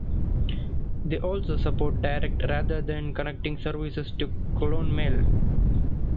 They also support direct rather than connecting services to Clonmel.